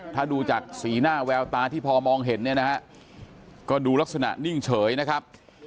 ถ้าดูจากสีหน้าแววตาที่พอมองเห็นเนี่ยนะฮะก็ดูลักษณะนิ่งเฉยนะครับ